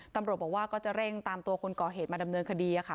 ตำรวจบอกว่าก็จะเร่งตามตัวคนก่อเหตุมาดำเนินคดีค่ะ